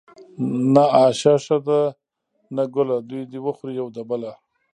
ـ نه آشه ښه ده نه ګله دوي د وخوري يو د بله.